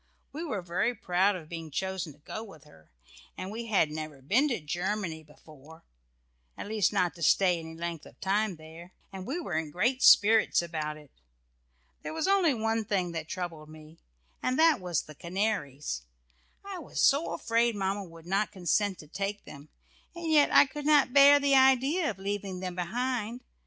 We were very proud of being chosen to go with her, and we had never been to Germany before, at least not to stay any length of time there, and we were in great spirits about it. There was only one thing that troubled me, and that was about the canaries. I was so afraid Mamma would not consent to take them, and yet I could not bear the idea of leaving them behind.